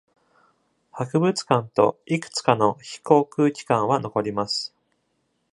博物館といくつかの非航空機関は残ります。